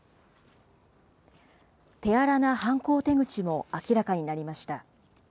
手荒な犯行手口も明らかになりました。